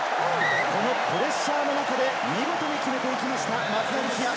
このプレッシャーの中で見事に決めていきました、松田力也。